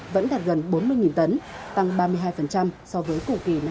vẫn đạt gần bốn mươi tấn tăng ba mươi hai so với củ kỳ năm hai nghìn hai mươi